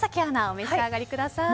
お召し上がりください。